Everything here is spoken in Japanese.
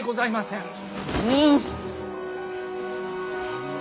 うん！